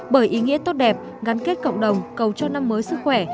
bởi ý nghĩa tốt đẹp gắn kết cộng đồng cầu cho năm mới sức khỏe